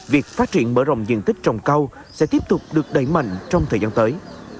việc phát triển mở rộng diện tích trồng câu sẽ tiếp tục được đẩy mạnh trong thời gian tới